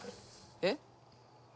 えっ？